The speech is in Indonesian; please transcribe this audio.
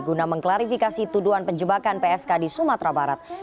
guna mengklarifikasi tuduhan penjebakan psk di sumatera barat